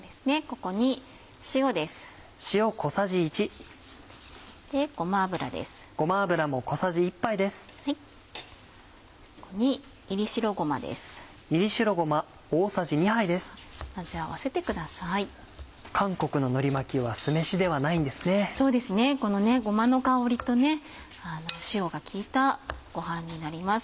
このごまの香りと塩が効いたご飯になります。